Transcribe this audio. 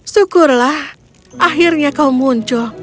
syukurlah akhirnya kau muncul